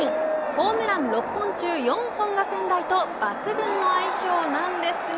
ホームラン６本中４本が仙台と抜群の相性なんですが